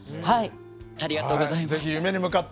はい。